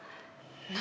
何？